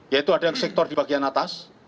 yaitu ada yang sektor di bagian atas